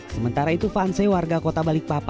sementara itu vanse warga kota balikpapan